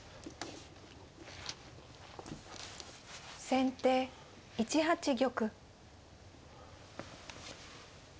先手１八玉。